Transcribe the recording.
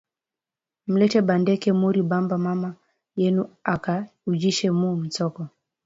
Mulete ba Ndeke muri bamba mama yenu aka ujishe mu nsoko